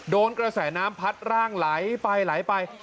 โดนกระแสน้ำพัดร่างไหลไปไหลไป